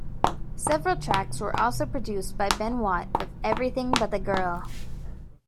Several tracks were also produced by Ben Watt of Everything but the Girl.